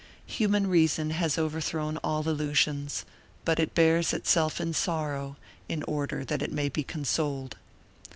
Human reason has overthrown all illusions; but it bears in itself sorrow, in order that it may be consoled.